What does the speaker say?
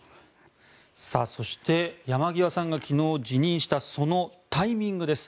そして山際さんが昨日、辞任したそのタイミングです。